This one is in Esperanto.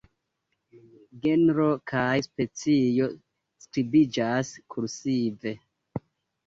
Genro kaj specio skribiĝas kursive.